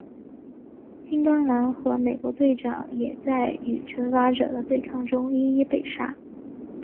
金刚狼和美国队长也在与惩罚者的对抗中一一被杀。